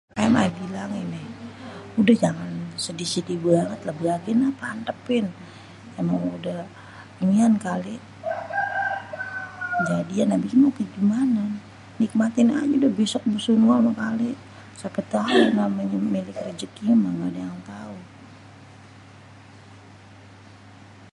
kan ayè bilang gini.. udah jangan sedih-sedih banget lababin kenapa antèpin.. èmang udah inian kali kejadian.. abisnya mau kayak gimana?.. nikmatin aja udah besok bisa berapa kali.. siapa tau namanya milik rejeki mah ngga ada yang tahu..